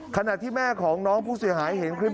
ขณะที่แม่ของน้องผู้เสียหายเห็นคลิป